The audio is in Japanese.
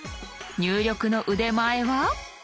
入力の腕前は？